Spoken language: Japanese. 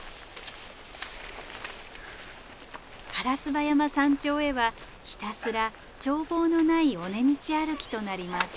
烏場山山頂へはひたすら眺望のない尾根道歩きとなります。